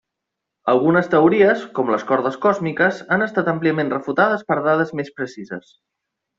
Algunes teories, com les cordes còsmiques, han estat àmpliament refutades per dades més precises.